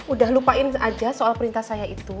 udah lupain aja soal perintah saya itu